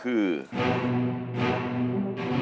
เป็นอินโทรเพลงที่๔มูลค่า๖๐๐๐๐บาท